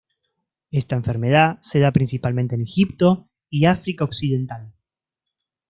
Esta enfermedad se da principalmente en Egipto y África occidental.